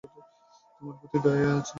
তোমার প্রতি দয়াই করছি।